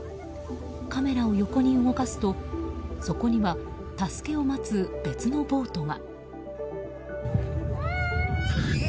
カメラを横に動かすとそこには助けを待つ別のボートが。